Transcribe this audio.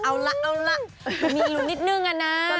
เอาละมีลุ้งนิดนึงนะ